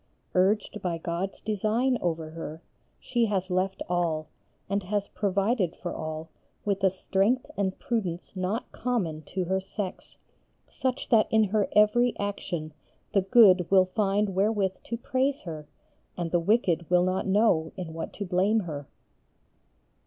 Urged by God's design over her she has left all, and has provided for all with a strength and prudence not common to her sex, such that in her every action the good will find wherewith to praise her and the wicked will not know in what to blame her."